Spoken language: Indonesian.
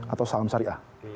atau saham syariah